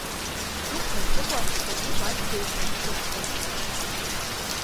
Дук мырҵыкәа саргьы игәасҭеит шышхәаз.